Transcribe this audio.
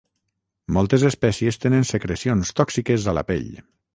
Moltes espècies tenen secrecions tòxiques a la pell.